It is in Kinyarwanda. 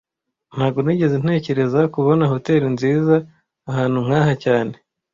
Ntago nigeze ntekereza kubona hoteri nziza ahantu nkaha cyane